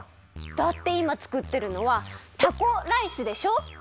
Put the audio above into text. だっていまつくってるのは「タコ」ライスでしょ？